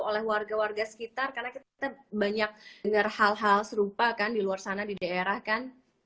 oleh warga warga sekitar karena kita banyak dengar hal hal serupa kan di luar sana di daerah kan